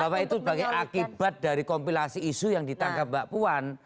bahwa itu sebagai akibat dari kompilasi isu yang ditangkap mbak puan